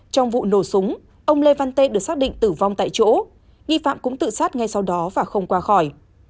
trong vụ nổ súng ông lê văn tê được xác định tử vong tại chỗ nghi phạm cũng tự sát ngay sau đó và không qua khỏi